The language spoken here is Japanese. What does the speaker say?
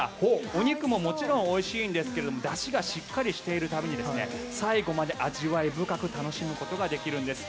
お肉ももちろんおいしいんですがだしがしっかりしているために最後まで味わい深く楽しむことができるんです。